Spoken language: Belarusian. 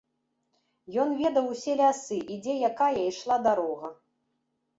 Ён ведаў усе лясы і дзе якая ішла дарога.